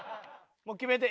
もう決めて。